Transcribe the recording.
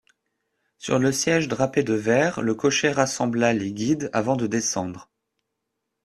Sur le siège drapé de vert, le cocher rassembla les guides avant de descendre.